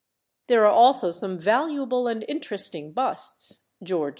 There are also some valuable and interesting busts George IV.